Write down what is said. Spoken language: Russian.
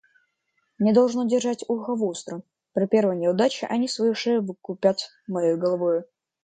Мне должно держать ухо востро; при первой неудаче они свою шею выкупят моею головою».